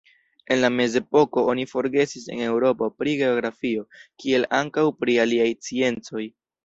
En la mezepoko oni forgesis en Eŭropo pri geografio, kiel ankaŭ pri aliaj sciencoj.